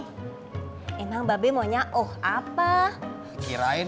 kita mau mengambil kain masak